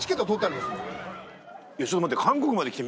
ちょっと待って。